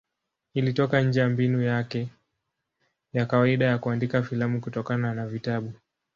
Ilitoka nje ya mbinu yake ya kawaida ya kuandika filamu kutokana na vitabu.